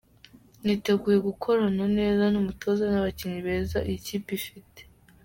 Niteguye gukorana neza n’umutoza n’abakinnyi beza iyi kipe ifite.